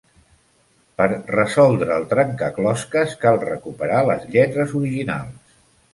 Per resoldre el trencaclosques, cal recuperar les lletres originals.